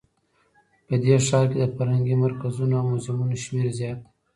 په دې ښار کې د فرهنګي مرکزونو او موزیمونو شمیر زیات ده